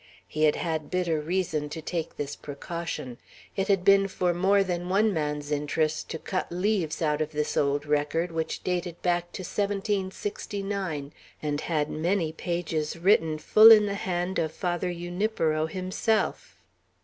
He had had bitter reason to take this precaution. It had been for more than one man's interest to cut leaves out of this old record, which dated back to 1769, and had many pages written full in the hand of Father Junipero himself.